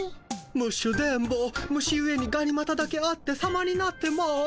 ムッシュー電ボ虫ゆえにがにまただけあってさまになってます。